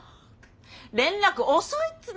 連絡遅いっつの！